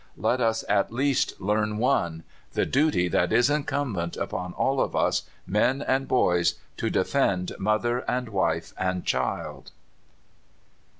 Let us at least learn one the duty that is incumbent upon all of us, men and boys, to defend mother and wife and child.